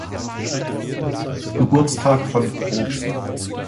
Geburtstag von Probst.